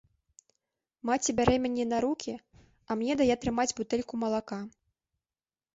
Маці бярэ мяне на рукі, а мне дае трымаць бутэльку малака.